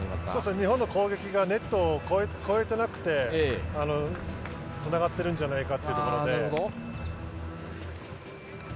日本の攻撃がネットを越えていなくてつながってるんじゃないかというところで。